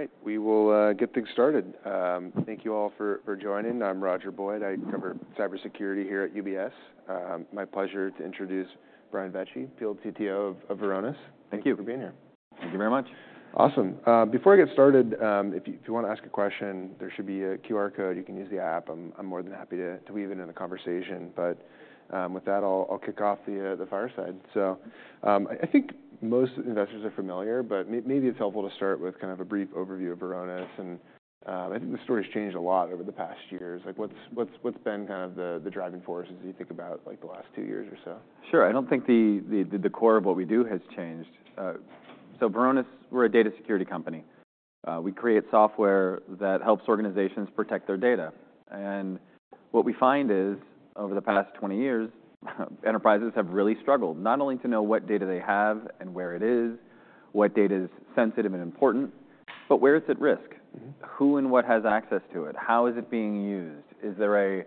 All right. We will get things started. Thank you all for joining. I'm Roger Boyd. I cover cybersecurity here at UBS. My pleasure to introduce Brian Vecci, Field CTO of Varonis. Thank you. Thank you for being here. Thank you very much. Awesome. Before I get started, if you wanna ask a question, there should be a QR code. You can use the app. I'm more than happy to weave it into the conversation. But with that, I'll kick off the fireside, so I think most investors are familiar, but maybe it's helpful to start with kind of a brief overview of Varonis, and I think the story's changed a lot over the past years. Like, what's been kind of the driving forces as you think about, like, the last two years or so? Sure. I don't think the core of what we do has changed. So Varonis, we're a data security company. We create software that helps organizations protect their data. And what we find is, over the past 20 years, enterprises have really struggled not only to know what data they have and where it is, what data's sensitive and important, but where it's at risk. Mm-hmm. Who and what has access to it? How is it being used? Is there a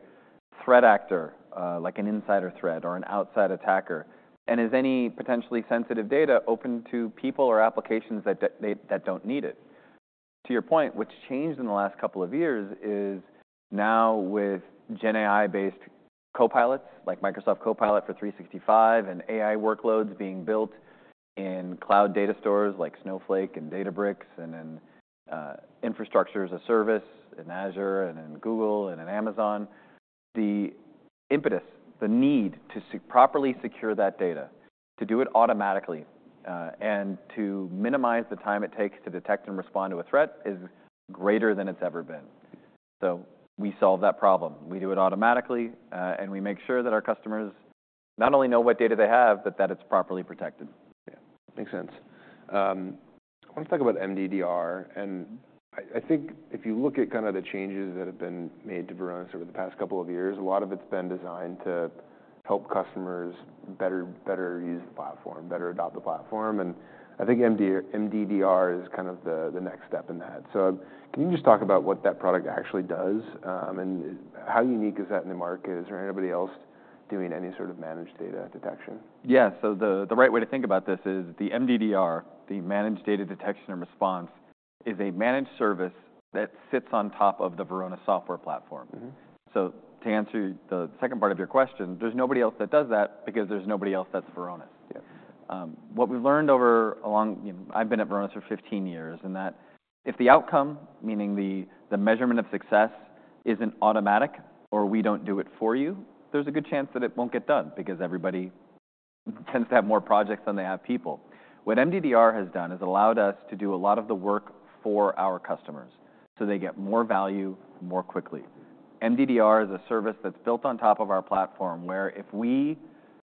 threat actor, like an insider threat or an outside attacker? And is any potentially sensitive data open to people or applications that don't need it? To your point, what's changed in the last couple of years is now with GenAI-based copilots, like Microsoft Copilot for 365 and AI workloads being built in cloud data stores like Snowflake and Databricks and in infrastructure as a service and Azure and in Google and in Amazon, the impetus, the need to properly secure that data, to do it automatically, and to minimize the time it takes to detect and respond to a threat is greater than it's ever been. So we solve that problem. We do it automatically, and we make sure that our customers not only know what data they have, but that it's properly protected. Yeah. Makes sense. I wanna talk about MDDR. And I think if you look at kinda the changes that have been made to Varonis over the past couple of years, a lot of it's been designed to help customers better, better use the platform, better adopt the platform. And I think MDDR is kind of the next step in that. So can you just talk about what that product actually does, and how unique is that in the market? Is there anybody else doing any sort of managed data detection? Yeah, so the right way to think about this is the MDDR, the Managed Data Detection and Response, is a managed service that sits on top of the Varonis software platform. Mm-hmm. So to answer the second part of your question, there's nobody else that does that because there's nobody else that's Varonis. Yeah. What we've learned over a long, you know, I've been at Varonis for 15 years in that if the outcome, meaning the measurement of success, isn't automatic or we don't do it for you, there's a good chance that it won't get done because everybody tends to have more projects than they have people. What MDDR has done is allowed us to do a lot of the work for our customers so they get more value more quickly. MDDR is a service that's built on top of our platform where if we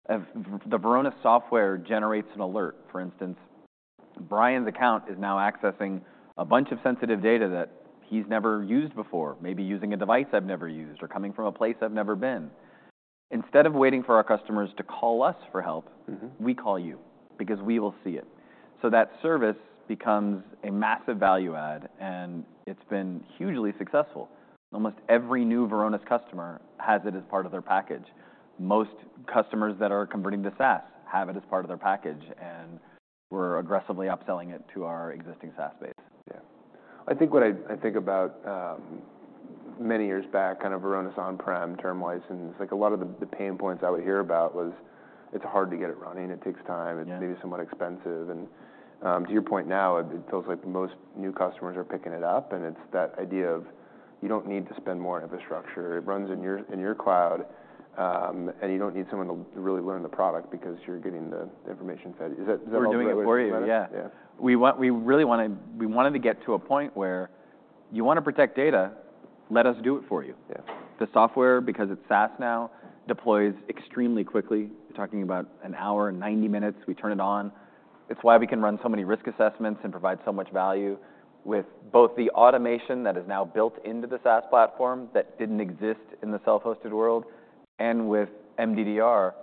have the Varonis software generates an alert, for instance, Brian's account is now accessing a bunch of sensitive data that he's never used before, maybe using a device I've never used or coming from a place I've never been. Instead of waiting for our customers to call us for help. Mm-hmm. We call you because we will see it, so that service becomes a massive value add, and it's been hugely successful. Almost every new Varonis customer has it as part of their package. Most customers that are converting to SaaS have it as part of their package, and we're aggressively upselling it to our existing SaaS base. Yeah. I think about, many years back, kind of Varonis on-prem term-wise, and it's like a lot of the pain points I would hear about was it's hard to get it running. It takes time. Yeah. It's maybe somewhat expensive. And, to your point now, it feels like most new customers are picking it up. And it's that idea of you don't need to spend more infrastructure. It runs in your cloud, and you don't need someone to really learn the product because you're getting the information fed. Is that what we're doing it for you? We're doing it for you. Yeah. Yeah. We wanted to get to a point where you wanna protect data, let us do it for you. Yeah. The software, because it's SaaS now, deploys extremely quickly. You're talking about an hour, 90 minutes. We turn it on. It's why we can run so many risk assessments and provide so much value with both the automation that is now built into the SaaS platform that didn't exist in the self-hosted world and with MDDR.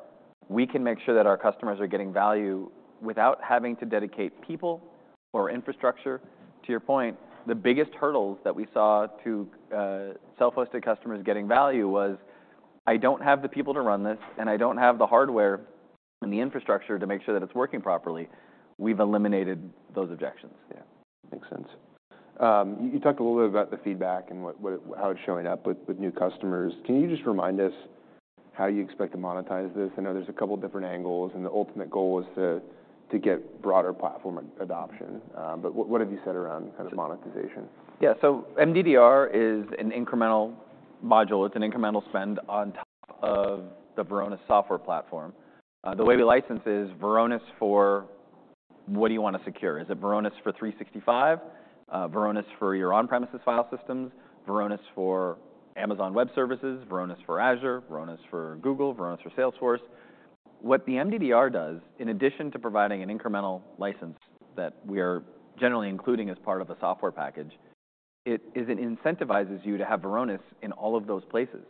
We can make sure that our customers are getting value without having to dedicate people or infrastructure. To your point, the biggest hurdles that we saw to self-hosted customers getting value was, "I don't have the people to run this, and I don't have the hardware and the infrastructure to make sure that it's working properly." We've eliminated those objections. Yeah. Makes sense. You talked a little bit about the feedback and what it, how it's showing up with new customers. Can you just remind us how you expect to monetize this? I know there's a couple different angles, and the ultimate goal is to get broader platform adoption. But what have you said around kind of monetization? Yeah. So MDDR is an incremental module. It's an incremental spend on top of the Varonis software platform. The way we license is Varonis for what do you wanna secure? Is it Varonis for 365, Varonis for your on-premises file systems, Varonis for Amazon Web Services, Varonis for Azure, Varonis for Google, Varonis for Salesforce? What the MDDR does, in addition to providing an incremental license that we are generally including as part of a software package, it incentivizes you to have Varonis in all of those places.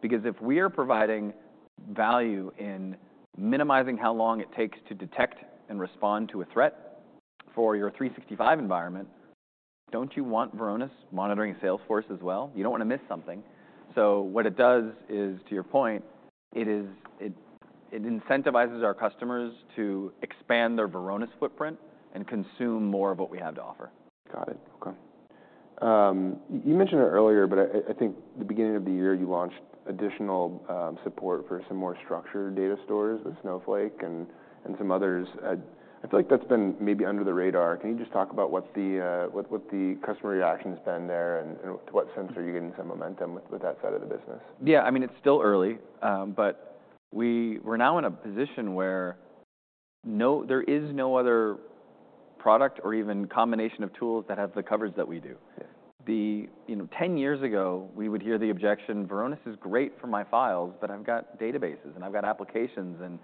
Because if we are providing value in minimizing how long it takes to detect and respond to a threat for your 365 environment, don't you want Varonis monitoring Salesforce as well? You don't wanna miss something. What it does is, to your point, it incentivizes our customers to expand their Varonis footprint and consume more of what we have to offer. Got it. Okay. You mentioned it earlier, but I think the beginning of the year you launched additional support for some more structured data stores with Snowflake and some others. I feel like that's been maybe under the radar. Can you just talk about what the customer reaction's been there and to what sense are you getting some momentum with that side of the business? Yeah. I mean, it's still early, but we were now in a position where there is no other product or even combination of tools that have the coverage that we do. Yeah. You know, 10 years ago, we would hear the objection, "Varonis is great for my files, but I've got databases and I've got applications, and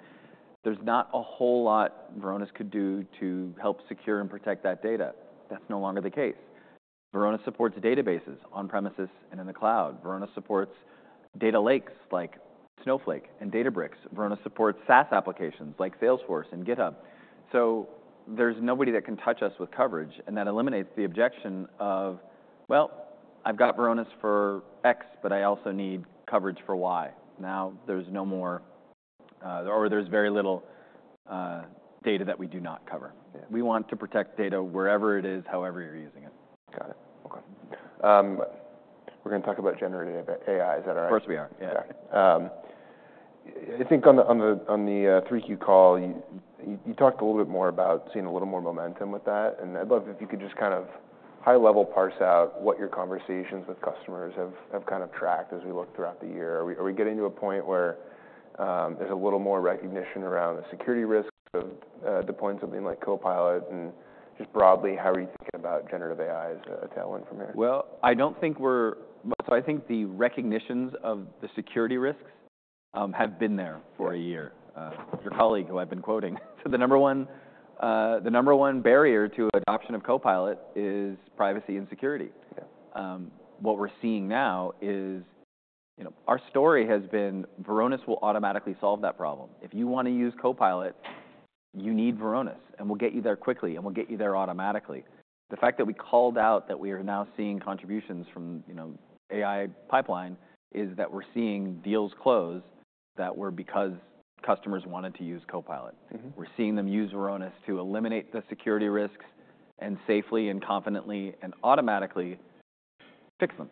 there's not a whole lot Varonis could do to help secure and protect that data." That's no longer the case. Varonis supports databases on-premises and in the cloud. Varonis supports data lakes like Snowflake and Databricks. Varonis supports SaaS applications like Salesforce and GitHub. So there's nobody that can touch us with coverage, and that eliminates the objection of, "Well, I've got Varonis for X, but I also need coverage for Y." Now there's no more, or there's very little, data that we do not cover. Yeah. We want to protect data wherever it is, however you're using it. Got it. Okay. We're gonna talk about generative AI. Is that all right? Of course we are. Yeah. Okay. I think on the 3Q call, you talked a little bit more about seeing a little more momentum with that. And I'd love if you could just kind of high-level parse out what your conversations with customers have kind of tracked as we look throughout the year. Are we getting to a point where there's a little more recognition around the security risk of deploying something like Copilot? And just broadly, how are you thinking about generative AI as a tailwind from here? I don't think we're, so I think the recognition of the security risks have been there for a year. Your colleague who I've been quoting, so the number one barrier to adoption of Copilot is privacy and security. Yeah. What we're seeing now is, you know, our story has been Varonis will automatically solve that problem. If you wanna use Copilot, you need Varonis, and we'll get you there quickly, and we'll get you there automatically. The fact that we called out that we are now seeing contributions from, you know, AI pipeline is that we're seeing deals close that were because customers wanted to use Copilot. Mm-hmm. We're seeing them use Varonis to eliminate the security risks and safely and confidently and automatically fix them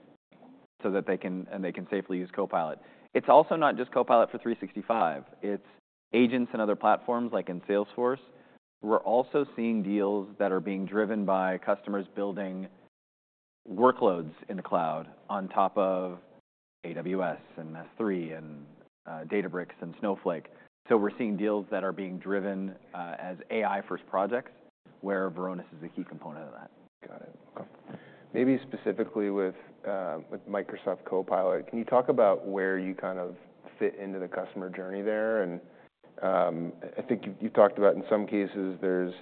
so that they can safely use Copilot. It's also not just Copilot for 365. It's agents and other platforms like in Salesforce. We're also seeing deals that are being driven by customers building workloads in the cloud on top of AWS and S3, Databricks, and Snowflake, so we're seeing deals that are being driven as AI-first projects where Varonis is a key component of that. Got it. Okay. Maybe specifically with Microsoft Copilot, can you talk about where you kind of fit into the customer journey there? And I think you've talked about in some cases there's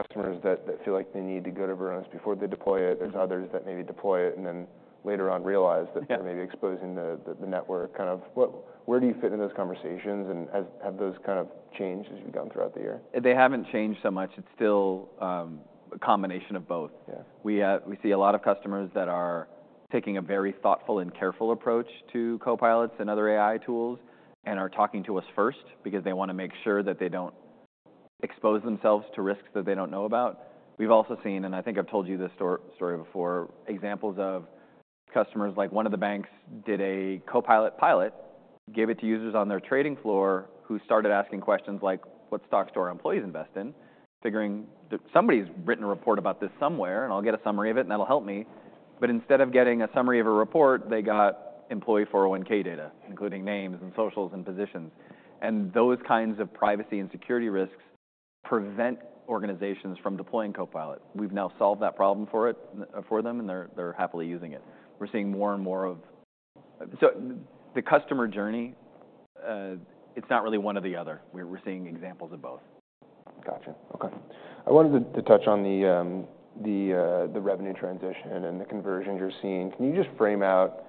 customers that feel like they need to go to Varonis before they deploy it. There's others that maybe deploy it and then later on realize that. Yeah. They're maybe exposing the network. Kind of what, where do you fit in those conversations? And have those kind of changed as you've gone throughout the year? They haven't changed so much. It's still a combination of both. Yeah. We see a lot of customers that are taking a very thoughtful and careful approach to Copilots and other AI tools and are talking to us first because they wanna make sure that they don't expose themselves to risks that they don't know about. We've also seen, and I think I've told you this story before, examples of customers like one of the banks did a Copilot pilot, gave it to users on their trading floor who started asking questions like, "What stocks do employees invest in?" figuring that somebody's written a report about this somewhere, and I'll get a summary of it, and that'll help me. But instead of getting a summary of a report, they got employee 401(k) data, including names and socials and positions, and those kinds of privacy and security risks prevent organizations from deploying Copilot. We've now solved that problem for it, for them, and they're happily using it. We're seeing more and more, so the customer journey. It's not really one or the other. We're seeing examples of both. Gotcha. Okay. I wanted to touch on the revenue transition and the conversions you're seeing. Can you just frame out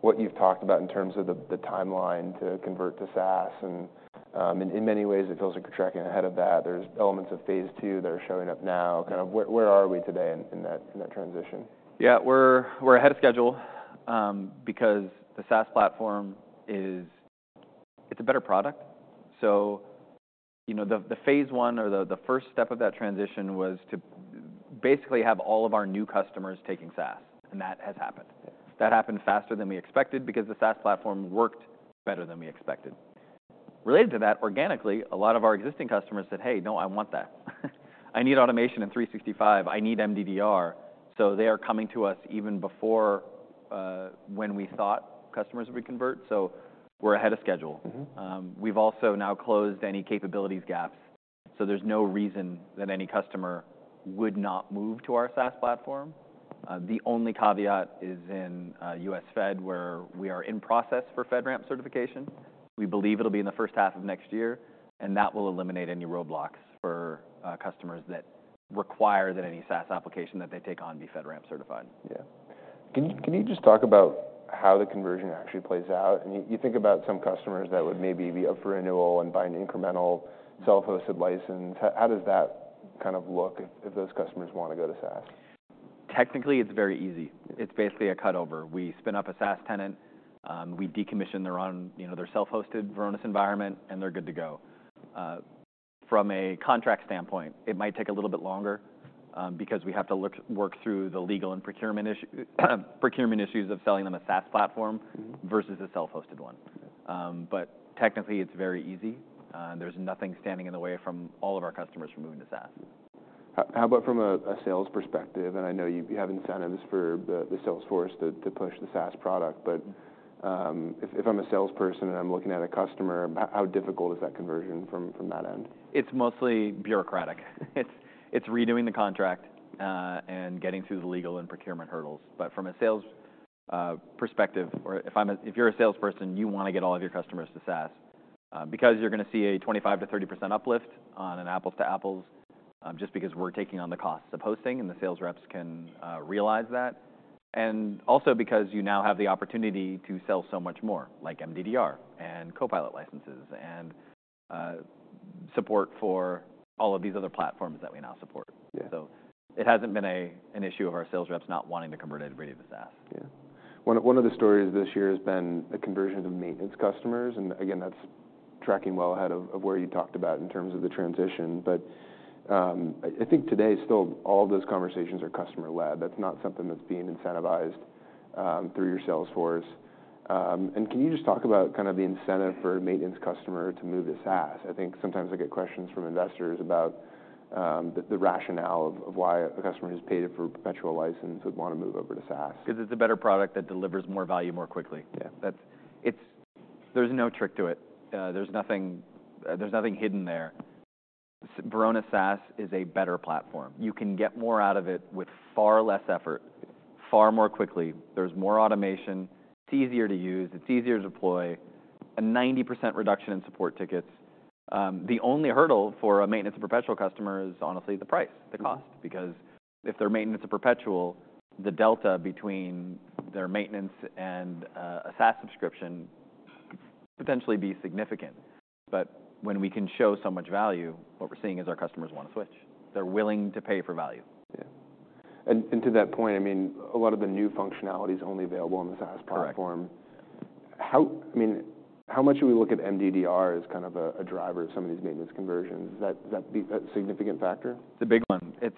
what you've talked about in terms of the timeline to convert to SaaS? And in many ways, it feels like you're tracking ahead of that. There's elements of Phase 2 that are showing up now. Kind of where are we today in that transition? Yeah. We're ahead of schedule, because the SaaS platform is a better product. So, you know, the Phase 1 or the first step of that transition was to basically have all of our new customers taking SaaS. And that has happened. Yeah. That happened faster than we expected because the SaaS platform worked better than we expected. Related to that, organically, a lot of our existing customers said, "Hey, no, I want that. I need automation in 365. I need MDDR." So they are coming to us even before, when we thought customers would convert. So we're ahead of schedule. Mm-hmm. We've also now closed any capabilities gaps. So there's no reason that any customer would not move to our SaaS platform. The only caveat is in U.S. Fed where we are in process for FedRAMP certification. We believe it'll be in the first half of next year, and that will eliminate any roadblocks for customers that require that any SaaS application that they take on be FedRAMP certified. Yeah. Can you just talk about how the conversion actually plays out? I mean, you think about some customers that would maybe be up for renewal and buy an incremental self-hosted license. How does that kind of look if those customers wanna go to SaaS? Technically, it's very easy. It's basically a cutover. We spin up a SaaS tenant. We decommission their own, you know, their self-hosted Varonis environment, and they're good to go. From a contract standpoint, it might take a little bit longer, because we have to work through the legal and procurement issues of selling them a SaaS platform. Mm-hmm. Versus a self-hosted one, but technically, it's very easy. There's nothing standing in the way from all of our customers from moving to SaaS. How about from a sales perspective? And I know you have incentives for the sales force to push the SaaS product. But if I'm a salesperson and I'm looking at a customer, how difficult is that conversion from that end? It's mostly bureaucratic. It's redoing the contract, and getting through the legal and procurement hurdles. But from a sales perspective, or if you're a salesperson, you wanna get all of your customers to SaaS, because you're gonna see a 25%-30% uplift on an apples-to-apples, just because we're taking on the costs of hosting and the sales reps can realize that. And also because you now have the opportunity to sell so much more, like MDDR and Copilot licenses and support for all of these other platforms that we now support. Yeah. So it hasn't been an issue of our sales reps not wanting to convert everybody to SaaS. Yeah. One of the stories this year has been the conversion of the maintenance customers. And again, that's tracking well ahead of where you talked about in terms of the transition. But I think today still all of those conversations are customer-led. That's not something that's being incentivized through your Salesforce, and can you just talk about kind of the incentive for a maintenance customer to move to SaaS? I think sometimes I get questions from investors about the rationale of why a customer who's paid it for a perpetual license would wanna move over to SaaS. Because it's a better product that delivers more value more quickly. Yeah. There's no trick to it. There's nothing, there's nothing hidden there. Varonis SaaS is a better platform. You can get more out of it with far less effort, far more quickly. There's more automation. It's easier to use. It's easier to deploy. A 90% reduction in support tickets. The only hurdle for a maintenance and perpetual customer is honestly the price, the cost. Because if they're maintenance and perpetual, the delta between their maintenance and a SaaS subscription could potentially be significant. But when we can show so much value, what we're seeing is our customers wanna switch. They're willing to pay for value. Yeah. And to that point, I mean, a lot of the new functionality's only available in the SaaS platform. Correct. How, I mean, how much do we look at MDDR as kind of a driver of some of these maintenance conversions? Is that a significant factor? It's a big one. It's,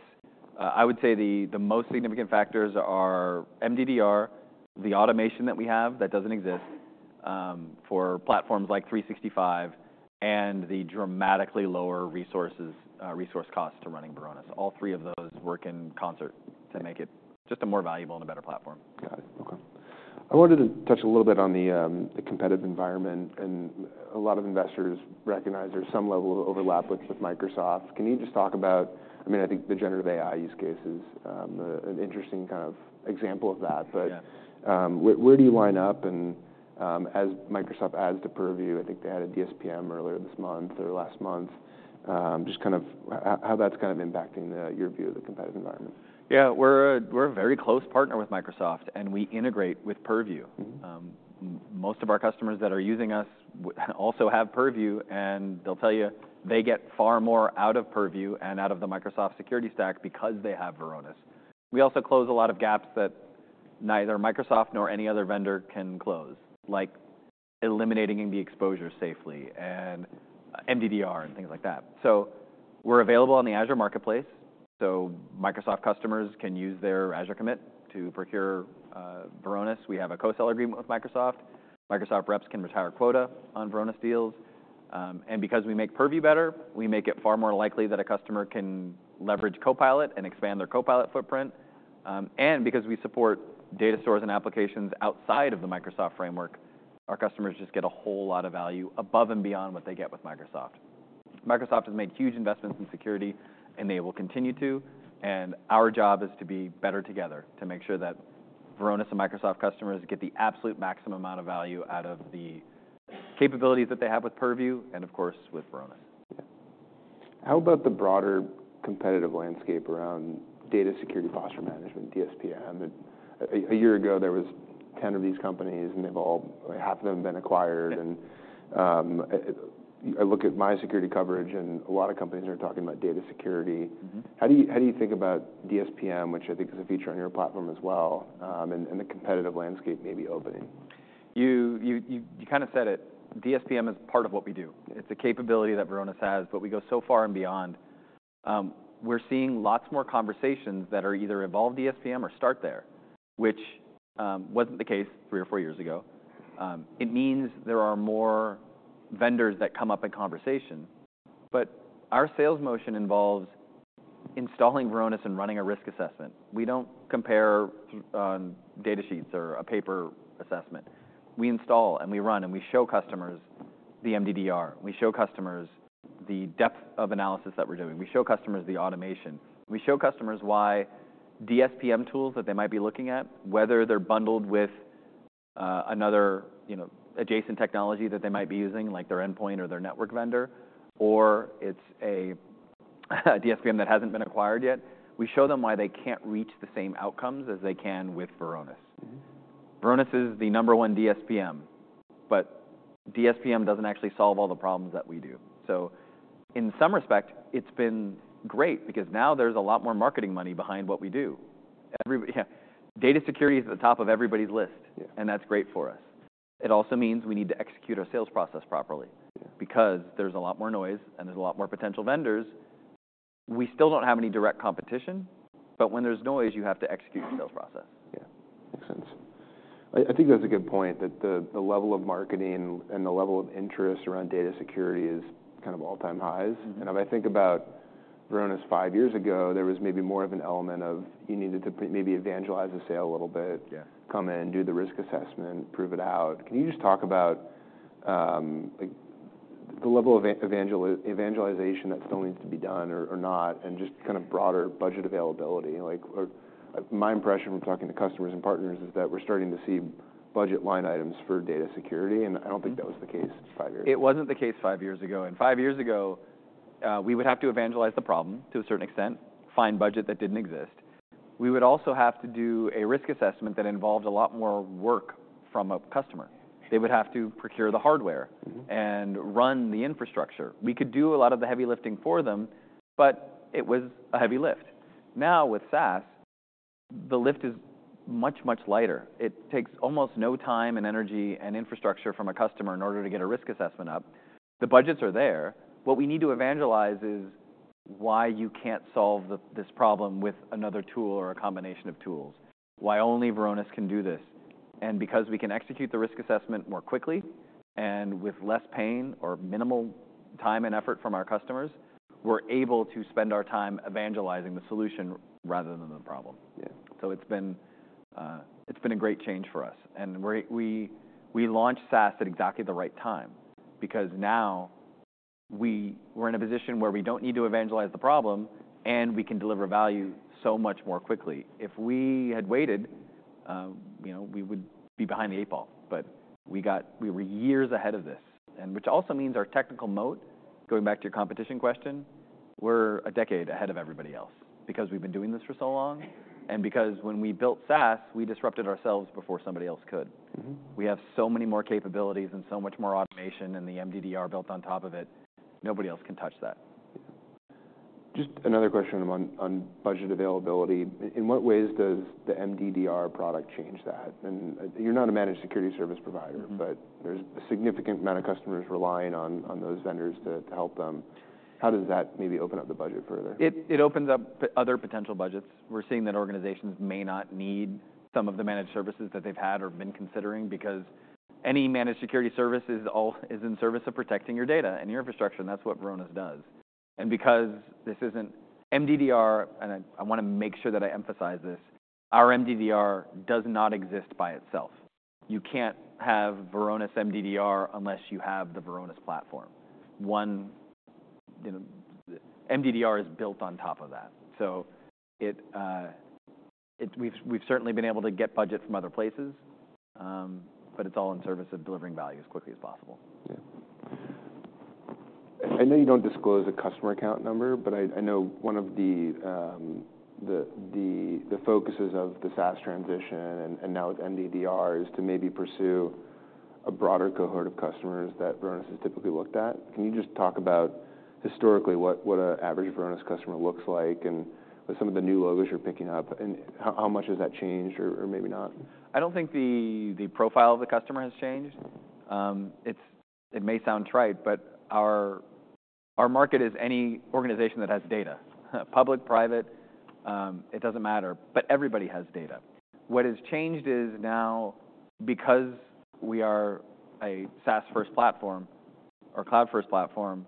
I would say the most significant factors are MDDR, the automation that we have that doesn't exist, for platforms like 365, and the dramatically lower resources, resource cost to running Varonis. All three of those work in concert to make it just a more valuable and a better platform. Got it. Okay. I wanted to touch a little bit on the competitive environment. And a lot of investors recognize there's some level of overlap with Microsoft. Can you just talk about, I mean, I think the generative AI use case is an interesting kind of example of that. But. Yeah. Where do you line up? And as Microsoft adds to Purview, I think they had a DSPM earlier this month or last month, just kind of how that's kind of impacting your view of the competitive environment. Yeah. We're a very close partner with Microsoft, and we integrate with Purview. Mm-hmm. Most of our customers that are using us also have Purview, and they'll tell you they get far more out of Purview and out of the Microsoft security stack because they have Varonis. We also close a lot of gaps that neither Microsoft nor any other vendor can close, like eliminating the exposure safely and MDDR and things like that. We're available on the Azure Marketplace. Microsoft customers can use their Azure commit to procure Varonis. We have a co-sell agreement with Microsoft. Microsoft reps can retire quota on Varonis deals, and because we make Purview better, we make it far more likely that a customer can leverage Copilot and expand their Copilot footprint. Because we support data stores and applications outside of the Microsoft framework, our customers just get a whole lot of value above and beyond what they get with Microsoft. Microsoft has made huge investments in security, and they will continue to. And our job is to be better together to make sure that Varonis and Microsoft customers get the absolute maximum amount of value out of the capabilities that they have with Purview and, of course, with Varonis. Yeah. How about the broader competitive landscape around data security posture management, DSPM? And a year ago, there were 10 of these companies, and they've all, half of them have been acquired. And I look at my security coverage, and a lot of companies are talking about data security. Mm-hmm. How do you think about DSPM, which I think is a feature on your platform as well, and the competitive landscape maybe opening? You kind of said it. DSPM is part of what we do. It's a capability that Varonis has, but we go so far and beyond. We're seeing lots more conversations that are either involve DSPM or start there, which wasn't the case three or four years ago. It means there are more vendors that come up in conversation. But our sales motion involves installing Varonis and running a risk assessment. We don't compare on data sheets or a paper assessment. We install, and we run, and we show customers the MDDR. We show customers the depth of analysis that we're doing. We show customers the automation. We show customers why DSPM tools that they might be looking at, whether they're bundled with another, you know, adjacent technology that they might be using, like their endpoint or their network vendor, or it's a DSPM that hasn't been acquired yet. We show them why they can't reach the same outcomes as they can with Varonis. Mm-hmm. Varonis is the number one DSPM, but DSPM doesn't actually solve all the problems that we do. So in some respect, it's been great because now there's a lot more marketing money behind what we do. Everybody, yeah. Data security is at the top of everybody's list. Yeah. That's great for us. It also means we need to execute our sales process properly. Yeah. Because there's a lot more noise, and there's a lot more potential vendors. We still don't have any direct competition, but when there's noise, you have to execute the sales process. Yeah. Makes sense. I think that's a good point that the level of marketing and the level of interest around data security is kind of all-time highs. Mm-hmm. If I think about Varonis five years ago, there was maybe more of an element of you needed to maybe evangelize the sale a little bit. Yeah. Come in, do the risk assessment, prove it out. Can you just talk about, like the level of evangelization that still needs to be done or, or not, and just kind of broader budget availability? Like, or my impression from talking to customers and partners is that we're starting to see budget line items for data security. And I don't think that was the case five years ago. It wasn't the case five years ago, and five years ago, we would have to evangelize the problem to a certain extent, find budget that didn't exist. We would also have to do a risk assessment that involved a lot more work from a customer. They would have to procure the hardware. Mm-hmm. And run the infrastructure. We could do a lot of the heavy lifting for them, but it was a heavy lift. Now with SaaS, the lift is much, much lighter. It takes almost no time and energy and infrastructure from a customer in order to get a risk assessment up. The budgets are there. What we need to evangelize is why you can't solve this problem with another tool or a combination of tools, why only Varonis can do this. And because we can execute the risk assessment more quickly and with less pain or minimal time and effort from our customers, we're able to spend our time evangelizing the solution rather than the problem. Yeah. It's been a great change for us. We launched SaaS at exactly the right time because now we're in a position where we don't need to evangelize the problem, and we can deliver value so much more quickly. If we had waited, you know, we would be behind the eight ball. We were years ahead of this, which also means our technical moat, going back to your competition question, is a decade ahead of everybody else because we've been doing this for so long. Because when we built SaaS, we disrupted ourselves before somebody else could. Mm-hmm. We have so many more capabilities and so much more automation and the MDDR built on top of it. Nobody else can touch that. Yeah. Just another question on budget availability. In what ways does the MDDR product change that? And you're not a managed security service provider. Mm-hmm. But there's a significant amount of customers relying on those vendors to help them. How does that maybe open up the budget further? It opens up other potential budgets. We're seeing that organizations may not need some of the managed services that they've had or been considering because any managed security service is in service of protecting your data and your infrastructure, and that's what Varonis does, and because this isn't MDDR, I wanna make sure that I emphasize this, our MDDR does not exist by itself. You can't have Varonis MDDR unless you have the Varonis platform. You know, MDDR is built on top of that, so we've certainly been able to get budget from other places, but it's all in service of delivering value as quickly as possible. Yeah. I know you don't disclose a customer account number, but I know one of the focuses of the SaaS transition and now with MDDR is to maybe pursue a broader cohort of customers that Varonis has typically looked at. Can you just talk about historically what an average Varonis customer looks like and some of the new logos you're picking up, and how much has that changed or maybe not? I don't think the profile of the customer has changed. It may sound trite, but our market is any organization that has data, public, private, it doesn't matter. But everybody has data. What has changed is now because we are a SaaS-first platform or cloud-first platform,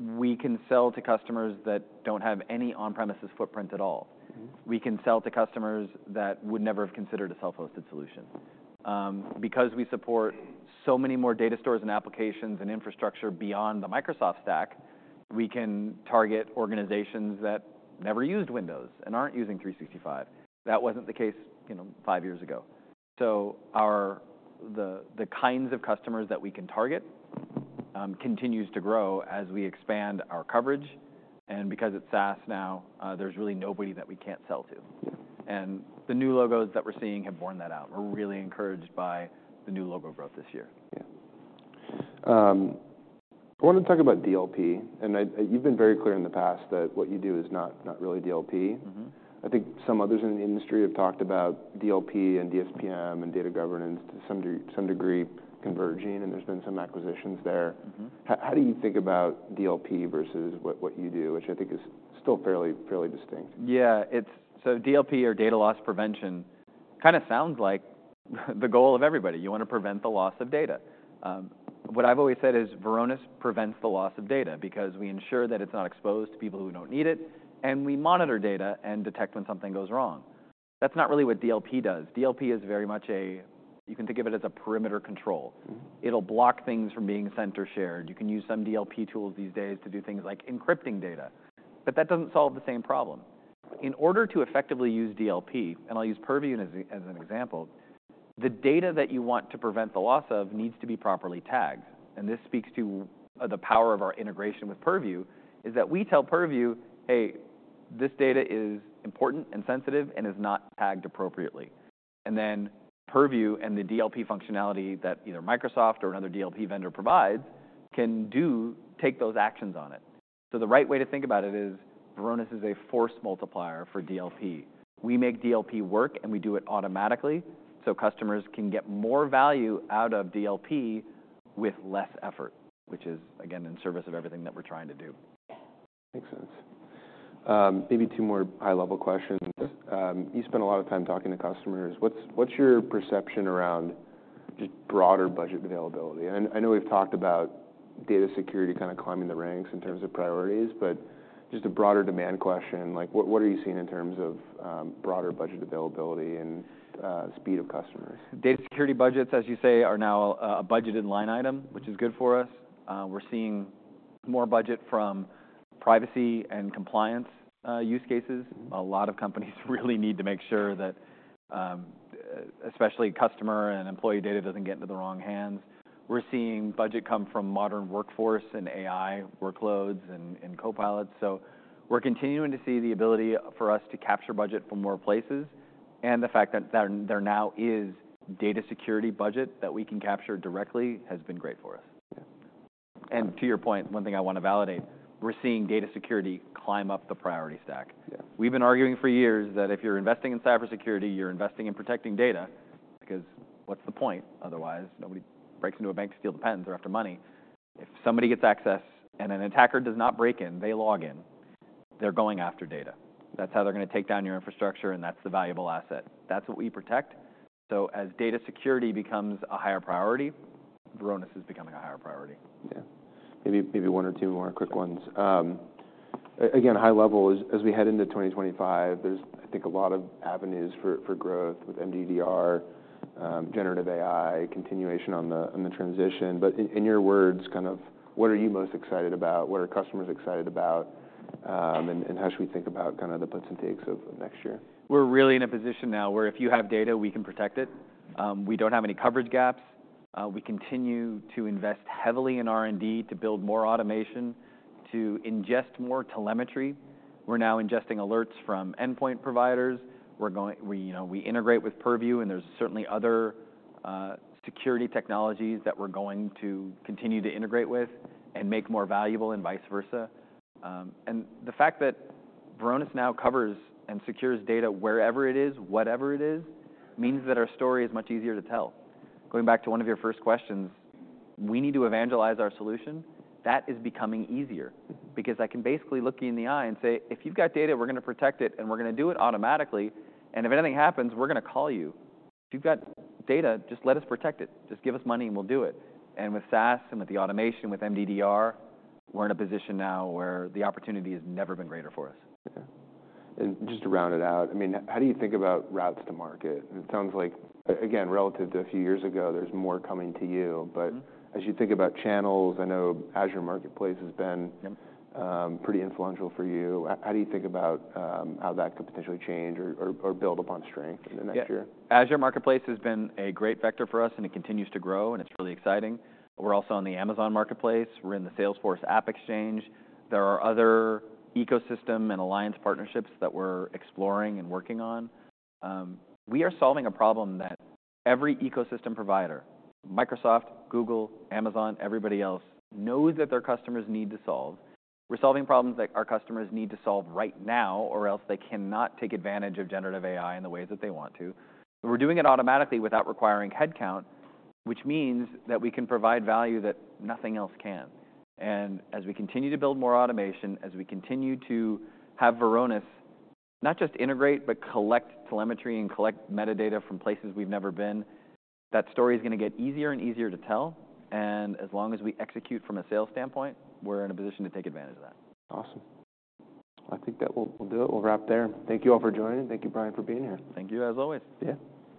we can sell to customers that don't have any on-premises footprint at all. Mm-hmm. We can sell to customers that would never have considered a self-hosted solution. Because we support so many more data stores and applications and infrastructure beyond the Microsoft stack, we can target organizations that never used Windows and aren't using 365. That wasn't the case, you know, five years ago, so our, the kinds of customers that we can target continues to grow as we expand our coverage, and because it's SaaS now, there's really nobody that we can't sell to, and the new logos that we're seeing have borne that out. We're really encouraged by the new logo growth this year. Yeah. I wanna talk about DLP. And I, you've been very clear in the past that what you do is not, not really DLP. Mm-hmm. I think some others in the industry have talked about DLP and DSPM and data governance to some degree converging, and there's been some acquisitions there. Mm-hmm. How do you think about DLP versus what you do, which I think is still fairly distinct? Yeah. It's so DLP or data loss prevention kind of sounds like the goal of everybody. You wanna prevent the loss of data. What I've always said is Varonis prevents the loss of data because we ensure that it's not exposed to people who don't need it, and we monitor data and detect when something goes wrong. That's not really what DLP does. DLP is very much a, you can think of it as a perimeter control. Mm-hmm. It'll block things from being sent or shared. You can use some DLP tools these days to do things like encrypting data, but that doesn't solve the same problem. In order to effectively use DLP, and I'll use Purview as an example, the data that you want to prevent the loss of needs to be properly tagged, and this speaks to the power of our integration with Purview, is that we tell Purview, "Hey, this data is important and sensitive and is not tagged appropriately," and then Purview and the DLP functionality that either Microsoft or another DLP vendor provides can do, take those actions on it, so the right way to think about it is Varonis is a force multiplier for DLP. We make DLP work, and we do it automatically so customers can get more value out of DLP with less effort, which is, again, in service of everything that we're trying to do. Makes sense. Maybe two more high-level questions. Yeah. You spend a lot of time talking to customers. What's your perception around just broader budget availability? And I know we've talked about data security kind of climbing the ranks in terms of priorities, but just a broader demand question, like what are you seeing in terms of broader budget availability and speed of customers? Data security budgets, as you say, are now a budgeted line item, which is good for us. We're seeing more budget from privacy and compliance use cases. Mm-hmm. A lot of companies really need to make sure that especially customer and employee data doesn't get into the wrong hands. We're seeing budget come from modern workforce and AI workloads and Copilot, so we're continuing to see the ability for us to capture budget from more places, and the fact that there now is data security budget that we can capture directly has been great for us. Yeah. To your point, one thing I wanna validate: we're seeing data security climb up the priority stack. Yeah. We've been arguing for years that if you're investing in cybersecurity, you're investing in protecting data because what's the point? Otherwise, nobody breaks into a bank to steal the pens or after money. If somebody gets access and an attacker does not break in, they log in, they're going after data. That's how they're gonna take down your infrastructure, and that's the valuable asset. That's what we protect. So as data security becomes a higher priority, Varonis is becoming a higher priority. Yeah. Maybe one or two more quick ones. Again, high level is, as we head into 2025, there's, I think, a lot of avenues for growth with MDDR, generative AI, continuation on the transition. But in your words, kind of what are you most excited about? What are customers excited about? And how should we think about kind of the puts and takes of next year? We're really in a position now where if you have data, we can protect it. We don't have any coverage gaps. We continue to invest heavily in R&D to build more automation, to ingest more telemetry. We're now ingesting alerts from endpoint providers. We're going, you know, we integrate with Purview, and there's certainly other security technologies that we're going to continue to integrate with and make more valuable and vice versa, and the fact that Varonis now covers and secures data wherever it is, whatever it is, means that our story is much easier to tell. Going back to one of your first questions, we need to evangelize our solution. That is becoming easier because I can basically look you in the eye and say, "If you've got data, we're gonna protect it, and we're gonna do it automatically. And if anything happens, we're gonna call you. If you've got data, just let us protect it. Just give us money, and we'll do it," and with SaaS and with the automation with MDDR, we're in a position now where the opportunity has never been greater for us. Yeah. And just to round it out, I mean, how do you think about routes to market? It sounds like, again, relative to a few years ago, there's more coming to you. But as you think about channels, I know Azure Marketplace has been. Yep. Pretty influential for you. How do you think about how that could potentially change or build upon strength in the next year? Yeah. Azure Marketplace has been a great vector for us, and it continues to grow, and it's really exciting. We're also on the Amazon Marketplace. We're in the Salesforce AppExchange. There are other ecosystem and alliance partnerships that we're exploring and working on. We are solving a problem that every ecosystem provider, Microsoft, Google, Amazon, everybody else knows that their customers need to solve. We're solving problems that our customers need to solve right now or else they cannot take advantage of generative AI in the ways that they want to. We're doing it automatically without requiring headcount, which means that we can provide value that nothing else can. And as we continue to build more automation, as we continue to have Varonis not just integrate, but collect telemetry and collect metadata from places we've never been, that story is gonna get easier and easier to tell. As long as we execute from a sales standpoint, we're in a position to take advantage of that. Awesome. I think that we'll do it. We'll wrap there. Thank you all for joining. Thank you, Brian, for being here. Thank you, as always. Yeah.